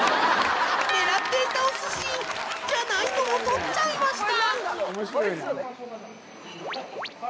狙っていたお寿司じゃないのを取っちゃいました